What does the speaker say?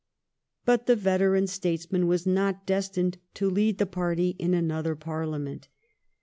But the veteran states* man was not destined to lead the party in another Parliament.